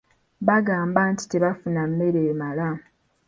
Baagamba nti tebaafuna mmere emala.